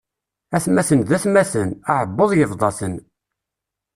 Atmaten d atmaten, aɛebbuḍ ibḍa-ten.